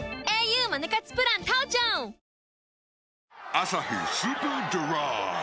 「アサヒスーパードライ」